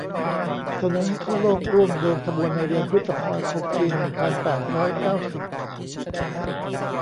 เสนอให้ทั่วโลกร่วมเดินขบวนในเดือนพฤษภาคมปีหนึ่งพันแปดร้อยเก้าสิบ